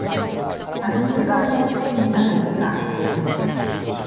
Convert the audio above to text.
アルミ缶の上にある蜜柑